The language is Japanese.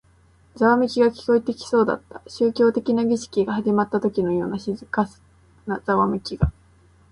ざわめきが聞こえてきそうだった。宗教的な儀式が始まったときのような静かなざわめきが。